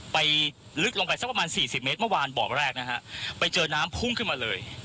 ไปลึกลงไปสักประมาณสี่สิบเมตรเมื่อวานบ่อแรกนะฮะไปเจอน้ำพุ่งขึ้นมาเลย